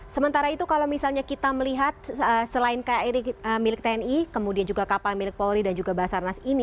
sementara itu kalau misalnya kita melihat selain kri milik tni kemudian juga kapal milik polri dan juga basarnas ini